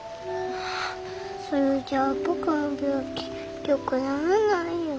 それじゃあ僕の病気よくならないよ。